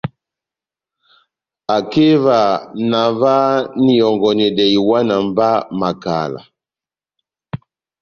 Akeva na ová na ihɔngɔnedɛ iwana má makala.